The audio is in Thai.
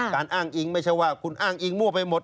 อ้างอิงไม่ใช่ว่าคุณอ้างอิงมั่วไปหมด